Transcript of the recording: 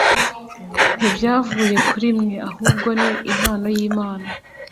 ntibyavuye kuri mwe, ahubwo ni impano y'Imana